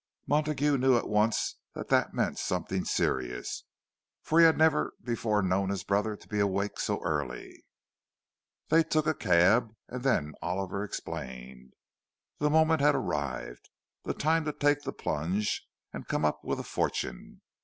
Montague knew at once that that meant something serious, for he had never before known his brother to be awake so early. They took a cab; and then Oliver explained. The moment had arrived—the time to take the plunge, and come up with a fortune.